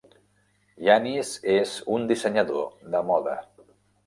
Yannis és un dissenyador de moda.